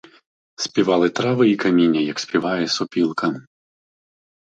Співали трави й каміння, як співає сопілка.